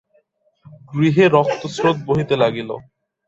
গৃহে রক্তস্রোত বহিতে লাগিল।